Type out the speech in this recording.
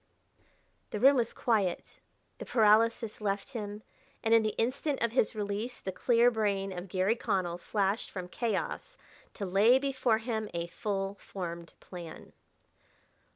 The room was quiet; the paralysis left him; and in the instant of his release the clear brain of Garry Connell flashed from chaos to lay before him a full formed plan.